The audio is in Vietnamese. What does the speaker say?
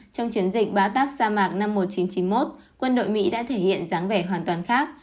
trong chiến dịch batap sa mạc năm một nghìn chín trăm chín mươi một quân đội mỹ đã thể hiện dáng vẻ hoàn toàn khác